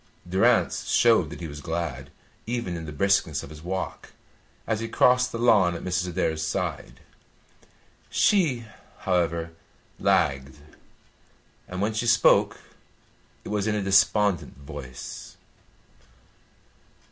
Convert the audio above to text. Durrance showed that he was glad even in the briskness of his walk, as he crossed the lawn at Mrs. Adair's side. She, however, lagged, and when she spoke it was in a despondent voice.